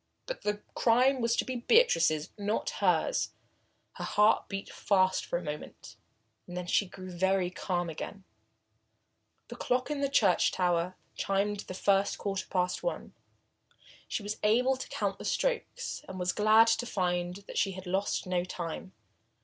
But the crime was to be Beatrice's, not hers. Her heart beat fast for a moment, and then she grew very calm again. The clock in the church tower chimed the first quarter past one. She was able to count the strokes and was glad to find that she had lost no time.